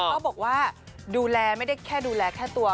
เขาบอกว่าดูแลไม่ได้แค่ดูแลแค่ตัว